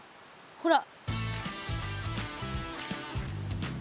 ほら！